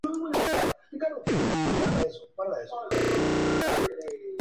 Áreas de tierras agrícolas y recreativos ocupan sólo una pequeña proporción zona.